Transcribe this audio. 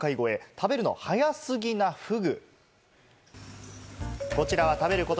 食べるの早すぎなフグ。